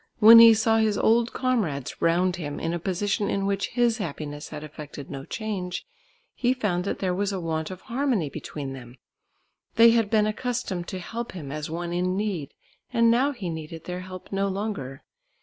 When he saw his old comrades round him in a position in which his happiness had effected no change, he found that there was a want of harmony between them. They had been accustomed to help him as one in need and now he needed their help no longer.